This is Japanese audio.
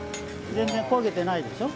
全然焦げてないでしょ？